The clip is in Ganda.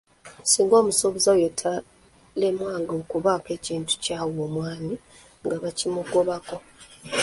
Singa omusuubuzi oyo yalemwanga okubaako ekintu ky’awa omwami nga bakimugobako.